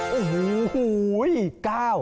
โอ้โฮอีก๙